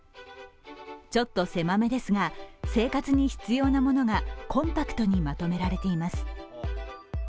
ちょっと狭めですが生活に必要なものがコンパクトにまとめられています。